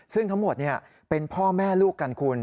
ซึ่งทั้งหมดเป็นพ่อแม่ลูกกันคุณ